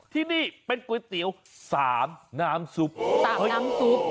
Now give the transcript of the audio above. ที่นี่เป็นก๋วยเตี๋ยว๓น้ำซุป